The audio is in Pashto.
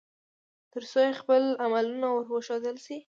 ترڅو يې خپل عملونه ور وښودل شي